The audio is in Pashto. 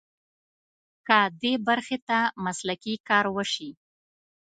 که دې برخې ته مسلکي کار وشي.